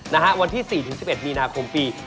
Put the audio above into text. วันที่๔๑๑มีนาคมปี